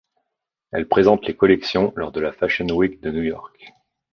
Elle présente les collections lors de la Fashion Week de New York.